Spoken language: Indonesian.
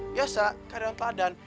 biasa keadaan padan